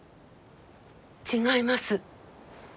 違います。